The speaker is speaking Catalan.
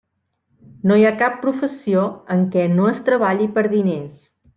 No hi ha cap professió en què no es treballi per diners.